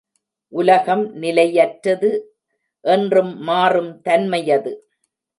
உலகம் நிலையற்றது, என்றும் மாறுந் தன்மையது.